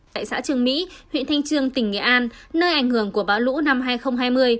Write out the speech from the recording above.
tại xã trường mỹ huyện thanh trương tỉnh nghệ an nơi ảnh hưởng của bão lũ năm hai nghìn hai mươi